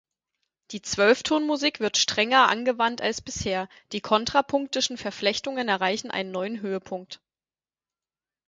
Die Zwölftonmusik wird strenger angewandt als bisher, die kontrapunktischen Verflechtungen erreichen einen neuen Höhepunkt.